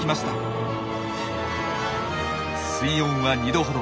水温は２度ほど。